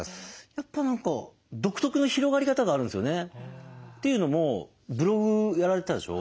やっぱ何か独特の広がり方があるんですよね。というのもブログやられてたでしょ。